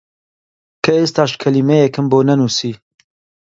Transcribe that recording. کە ئێستاش کەلیمەیەکم بۆ نەنووسی!